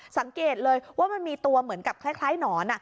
สังเกตเลยว่ามันมีตัวเหมือนกับคล้ายหนอน